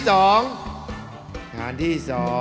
ฐานที่๒